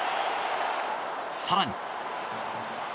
更に。